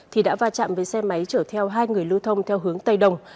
thì đã va chạm với xe máy chở theo hai người lưu thông theo hướng tây đồng